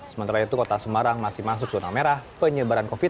sementara itu kota semarang masih masuk zona merah penyebaran covid sembilan belas